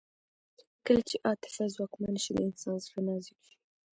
کله چې عاطفه ځواکمنه شي د انسان زړه نازک شي